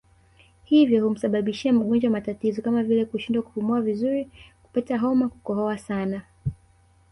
Hivyo humsababishia mgonjwa matatizo kama vile kushindwa kupumua vizuri kupata homa kukohoa sana